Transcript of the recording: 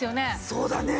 そうだね。